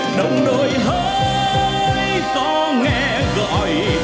đồng đội hỡi con nghe gọi